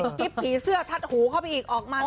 กิ๊บผีเสื้อทัดหูเข้าไปอีกออกมา